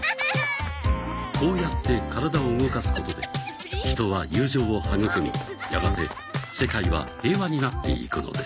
こうやって体を動かすことで人は友情を育みやがて世界は平和になっていくのです。